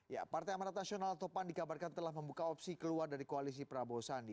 ya partai amarat nasional topan dikabarkan telah membuka opsi keluar dari koalisi prabowo sandi